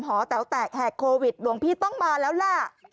หอแต๋วแตกแหกโควิดหลวงพี่ต้องมาแล้วล่ะ